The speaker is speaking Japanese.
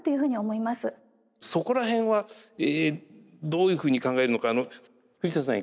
そこら辺はどういうふうに考えるのか藤田さん